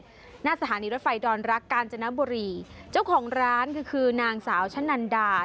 หน้าสถานีรถไฟดอนรักกาญจนบุรีเจ้าของร้านก็คือนางสาวชะนันดา